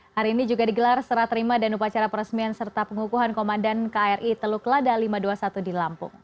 hari ini juga digelar serat terima dan upacara peresmian serta pengukuhan komandan kri teluk lada lima ratus dua puluh satu di lampung